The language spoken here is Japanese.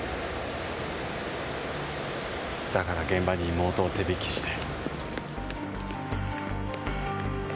だから現場に妹を手引きして。